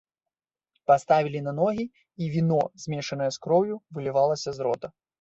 Паставілі на ногі, і віно, змешанае з кроўю, вылівалася з рота.